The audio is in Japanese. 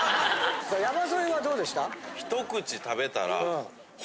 山添はどうでした？